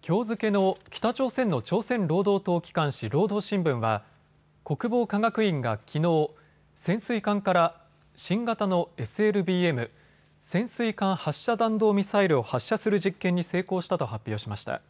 きょう付けの北朝鮮の朝鮮労働党機関紙、労働新聞は国防科学院がきのう潜水艦から新型のＳＬＢＭ・潜水艦発射弾道ミサイルを発射する実験に成功したと発表しました。